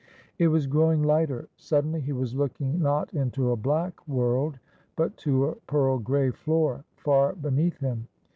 It was growing lighter. Suddenly he was looking not into a black world but to a pearl gray floor, far beneath him.